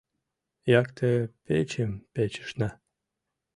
Якте печым печышна.